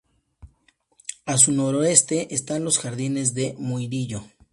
A su noroeste están los jardines de Murillo.